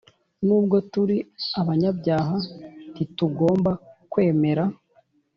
Nubwo turi abanyabyaha, ntitugomba kwemera